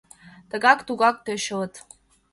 Тыгат-тугат тӧчылыт.